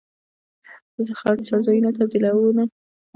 د څړځایونو تبدیلول په ځمکو غلط دي.